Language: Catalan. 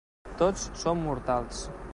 Tots som mortals.